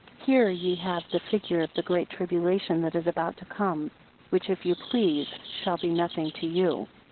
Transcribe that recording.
Here ye have the figure of the great tribulation that is about to come; which, if you please, shall be nothing to you.